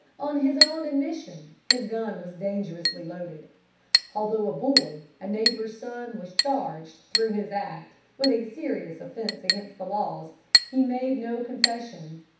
On his own admission, his gun was dangerously loaded. Although a boy, a neighbor's son, was charged, through his act, with a serious offense against the laws, he made no confession.